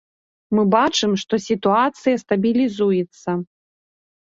Мы бачым, што сітуацыя стабілізуецца.